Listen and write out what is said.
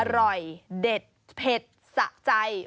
อร่อยเด็ดเผ็ดสะใจ